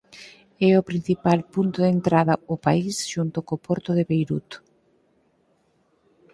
É o principal punto de entrada ao país xunto co porto de Beirut.